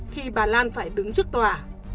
khi bà lan phải đứng trước tòa